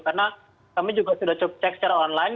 karena kami juga sudah cek secara online